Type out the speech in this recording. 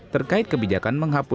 terkait kebijakan menghasilkan